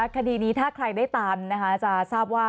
คดีนี้ถ้าใครได้ตามจะทราบว่า